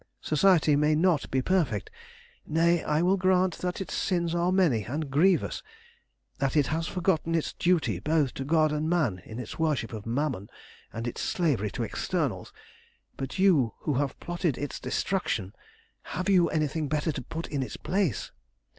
Society may not be perfect, nay, I will grant that its sins are many and grievous, that it has forgotten its duty both to God and man in its worship of Mammon and its slavery to externals, but you who have plotted its destruction, have you anything better to put in its place?